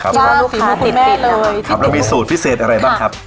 จัดที่ว่าลูกค้าติดติดเลยครับแล้วมีสูตรพิเศษอะไรบ้างครับ